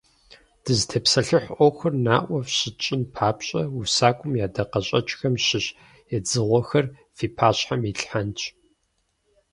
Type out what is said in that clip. Дызытепсэлъыхь Ӏуэхур наӀуэ фщытщӀын папщӀэ усакӀуэм и ӀэдакъэщӀэкӀхэм щыщ едзыгъуэхэр фи пащхьэ итлъхьэнщ.